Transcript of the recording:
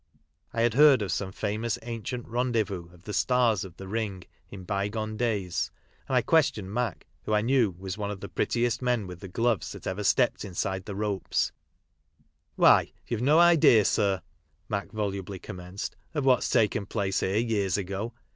I had heard of some famous ancient rendezvous of the stars of the Ring in bye gone days, and I questioned Mac, who I knew was one of the prettiest men with the gloves that ever stepped inside the ropes "Why, you've no idea, sir," Mac volubly com menced, "of what's taken place here years a*o.